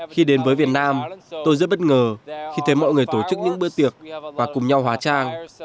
khi đến với việt nam tôi rất bất ngờ khi thấy mọi người tổ chức những bữa tiệc và cùng nhau hóa trang